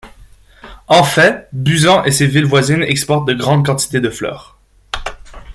En fait, Busan et ses villes voisines exportent de grandes quantités de fleurs.